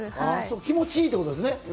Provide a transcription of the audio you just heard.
気持ちいいということですね。